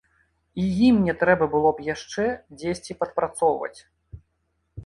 І ім не трэба было б яшчэ дзесьці падпрацоўваць.